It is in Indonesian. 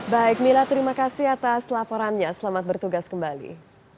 baik mila terima kasih atas laporannya selamat bertugas kembali